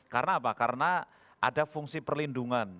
karena apa karena ada fungsi perlindungan